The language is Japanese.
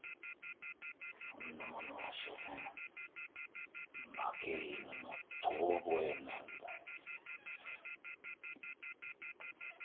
そんなものはしょせん負け犬の遠ぼえなんだよ。